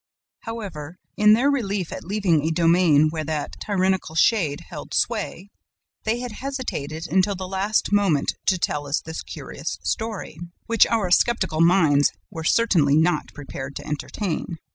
However, in their relief at leaving a domain where that tyrannical shade held sway, they had hesitated until the last moment to tell us this curious story, which our skeptical minds were certainly not prepared to entertain.